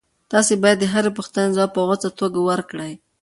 تاسي باید د هرې پوښتنې ځواب په غوڅه توګه ورکړئ.